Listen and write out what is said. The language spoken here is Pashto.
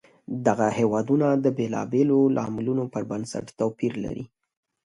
دغه هېوادونه د بېلابېلو لاملونو پر بنسټ توپیر لري.